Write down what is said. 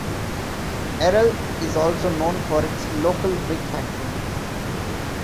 Errol is also known for its local brick factory.